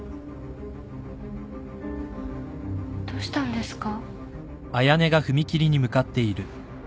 どうしたんですか？